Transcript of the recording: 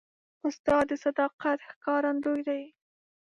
استاد د صداقت ښکارندوی دی.